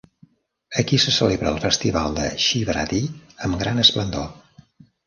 Aquí se celebra el festival de Shivratri amb gran esplendor.